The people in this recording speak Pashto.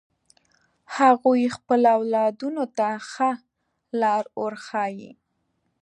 هغوی خپل اولادونو ته ښه لار ورښایی